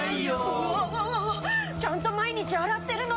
うわわわわちゃんと毎日洗ってるのに。